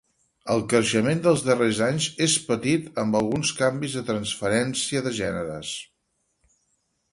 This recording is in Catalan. El creixement dels darrers anys és petit, amb alguns canvis de transferència de gèneres.